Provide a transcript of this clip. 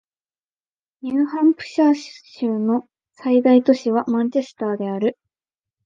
ニューハンプシャー州の最大都市はマンチェスターである